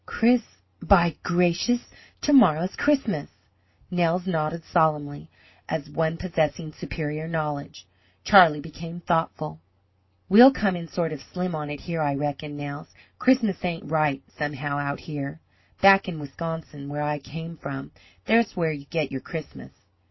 "Chris By gracious! to morrow's Christmas!" Nels nodded solemnly, as one possessing superior knowledge. Charlie became thoughtful. "We'll come in sort of slim on it here, I reckon, Nels. Christmas ain't right, somehow, out here. Back in Wisconsin, where I came from, there's where you get your Christmas!"